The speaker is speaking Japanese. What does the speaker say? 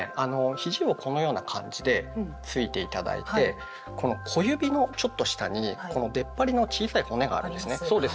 ひじをこのような感じでついて頂いてこの小指のちょっと下にこの出っ張りの小さい骨があるんですね。あります。